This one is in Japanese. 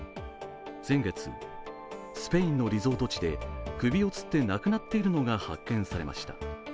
先月、スペインのリゾート地で首をつって亡くなっているのが発見されました。